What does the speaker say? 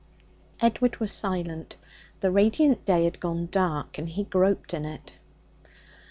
Edward was silent. The radiant day had gone dark, and he groped in it.